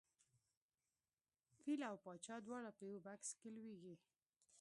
فیل او پاچا دواړه په یوه بکس کې لویږي.